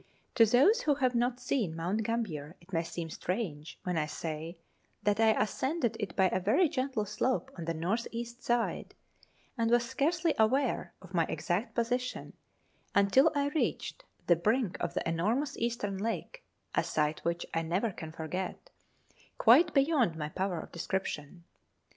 To those who have not seen Mount Gambler it may seem strange when I say that I ascended it by a very gentle slope on the north east side, and was scarcely aware of my exact position until I reached the brink of the enormous eastern lake, a sight which I never can forget quite beyond my power of description.